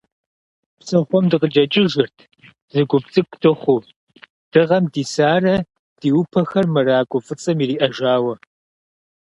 Псыхъуэм дыкъикӏыжырт, зы гуп цӏыкӏу дыхъуу, дыгъэм дисарэ, ди ӏупэхэр мэракӏуэ фӏыцӏэм ириӏэжауэ.